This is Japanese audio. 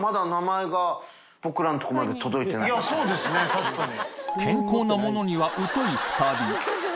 確かに。